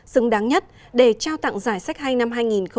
xứng đáng nhất để trao tặng giải sách hay năm hai nghìn hai mươi